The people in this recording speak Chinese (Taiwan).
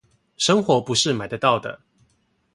生活不是買得到的